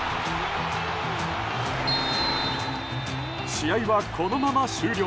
試合は、このまま終了。